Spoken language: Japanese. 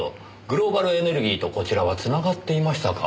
グローバルエネルギーとこちらはつながっていましたか。